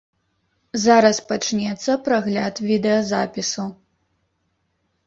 Зараз пачнецца прагляд відэазапісу.